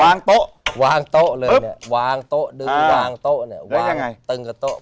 วางโต๊ะวางโต๊ะเลยเนี่ยวางโต๊ะดึงวางโต๊ะเนี่ยวางตึงกับโต๊ะ